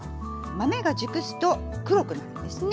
豆が熟すと黒くなるんですね。